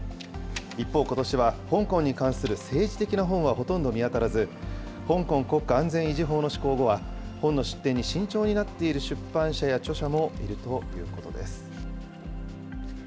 一方、ことしは香港に関する政治的な本はほとんど見当たらず、香港国家安全維持法の施行後は、本の出展に慎重になっている出版社や著者もいるということです。